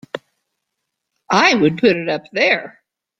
I would put it up there!